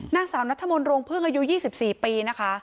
นักสารนัตรธรรมน์โรงเพิ่งอายุ๒๔ปีนะคะ